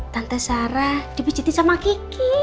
tante sarah dipiciti sama kiki